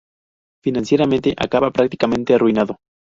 Financieramente, acaba prácticamente arruinado.